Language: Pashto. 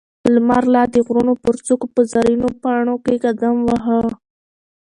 لمر لا د غرونو پر څوکو په زرينو پڼو کې قدم واهه.